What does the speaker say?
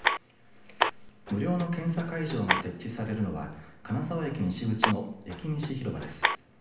無料の検査会場が設置されるのは金沢駅西口の駅西広場です。